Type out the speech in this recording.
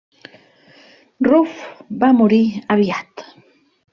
Ruf va morir aviat.